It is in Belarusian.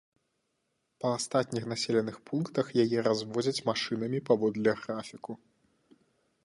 Па астатніх населеных пунктах яе развозяць машынамі паводле графіку.